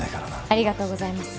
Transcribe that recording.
ありがとうございます。